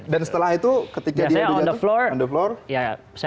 dan setelah itu ketika dia jatuhin lawan